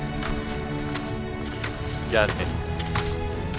じゃあね。